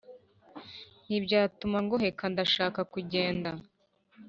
Ntibyatuma ngohekaNdashaka kugenda